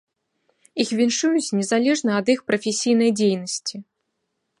Іх віншуюць незалежна ад іх прафесійнай дзейнасці.